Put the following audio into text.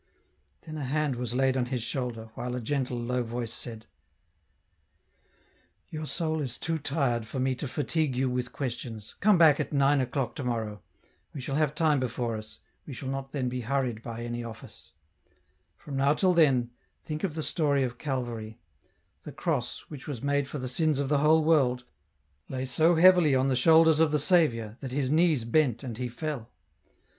Then a hand was laid on his shoulder, while a gentle, low voice said, " Your soul is too tired for me to fatigue you with questions, come back at nine o'clock to morrow, we shall have time before us, we shall not then be hurried by any office ; from now till then, think of the story of Calvary ; the cross, which was made for the sins of the whole world, lay so heavily on the shoulders of the Saviour, that His knees bent and He fell.